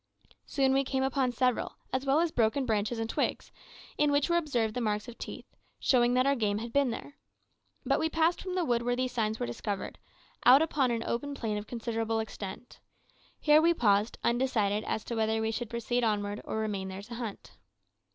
Soon we came upon several, as well as broken branches and twigs, in which were observed the marks of teeth, showing that our game had been there. But we passed from the wood where these signs were discovered, out upon an open plain of considerable extent. Here we paused, undecided as to whether we should proceed onward or remain there to hunt.